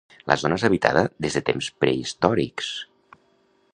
La zona és habitada des de temps prehistòrics.